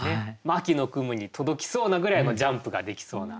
秋の雲に届きそうなぐらいジャンプができそうな。